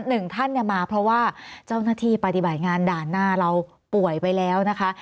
หนึ่งท่านเนี่ยมาเพราะว่าเจ้าหน้าที่ปฏิบัติงานด่านหน้าเราป่วยไปแล้วนะคะ